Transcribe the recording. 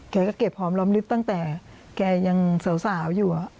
แกก็เก็บพร้อมลำลิปตั้งแต่แกยังเสาสาวอยู่อ่ะ